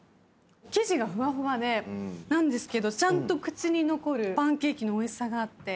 生地がふわふわでなんですけどちゃんと口に残るパンケーキのおいしさがあって。